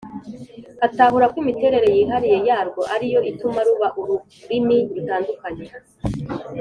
Atahura ko imiterere yihariye yarwo ari yo ituma ruba ururimi rutandukanye